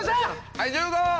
はい１５！